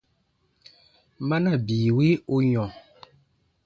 Mana bii wi u yɔ̃ ?